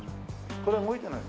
これ動いてないの。